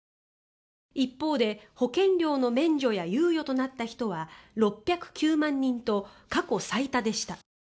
一方で、保険料の免除や猶予となった人は６０９万人と過去最多でした。